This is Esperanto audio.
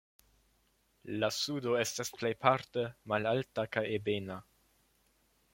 La sudo estas plejparte malalta kaj ebena.